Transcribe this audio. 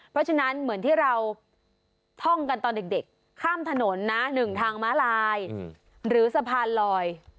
เพราะฉะนั้นเหมือนที่เราท่องกันตอนเด็กข้ามถนนนะ๑ทางม้าลายหรือสะพานลอย